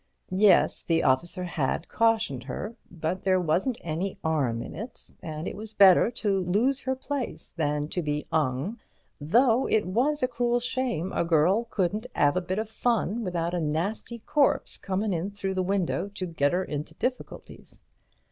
Yes, the officer had cautioned her, but there wasn't any 'arm in it, and it was better to lose her place than to be 'ung, though it was a cruel shame a girl couldn't 'ave a bit of fun without a nasty corpse comin' in through the window to get 'er into difficulties.